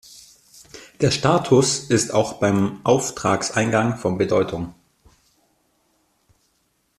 Der Status ist auch beim Auftragseingang von Bedeutung.